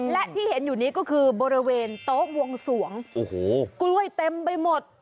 และที่เห็นอยู่นี้ก็คือบริเวณโต๊ะวงสวงโอ้โหกล้วยเต็มไปหมด